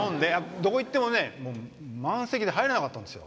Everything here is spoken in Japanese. どこ行ってもね満席で入れなかったんです。